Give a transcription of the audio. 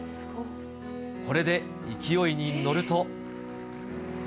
これで勢いに乗ると。